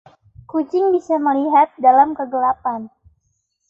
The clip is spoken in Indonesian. Kucing bisa melihat dalam kegelapan.